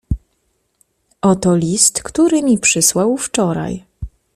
"Oto list, który mi przysłał wczoraj."